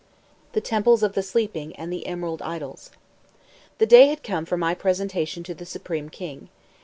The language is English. THE TEMPLES OF THE SLEEPING AND THE EMERALD IDOLS. The day had come for my presentation to the supreme king.